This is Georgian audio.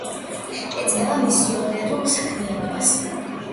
ეწევა მისიონერულ საქმიანობას.